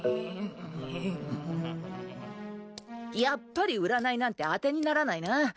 やっぱり占いなんて当てにならないな。